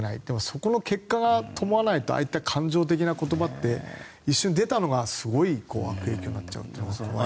そこの結果が伴わないとああいった感情的な言葉って一瞬、出たのがすごい悪影響になっちゃうって怖いですね。